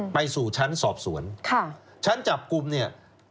ไปสู่ชั้นสอบสวนชั้นจับกลุ่มเนี่ย